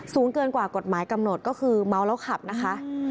สูงเกินกว่ากฎหมายกำหนดก็คือเมาแล้วขับนะคะ